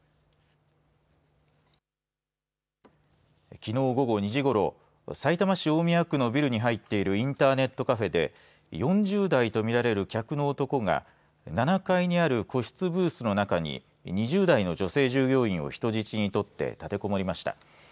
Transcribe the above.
きのう午後２時ごろさいたま市大宮区のビルに入っているインターネットカフェで４０代と見られる客の男が７階にある個室ブースの中に２０代の女性従業員を人質に取って立てこもりました。